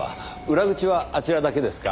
裏口はあちらだけですか？